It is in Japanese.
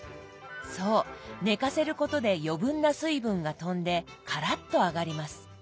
そう寝かせることで余分な水分が飛んでカラッと揚がります。